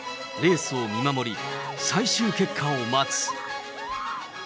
レースを見守り、最終結果を待つ。